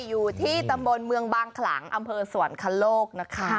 อยู่ที่ตำบลเมืองบางขลังอำเภอสวรรคโลกนะคะ